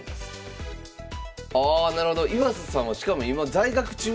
ああなるほど岩佐さんはしかも今在学中？